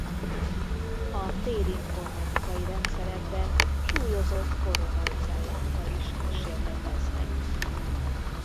A térinformatikai rendszerekben súlyozott Voronoj-cellákkal is kísérleteznek.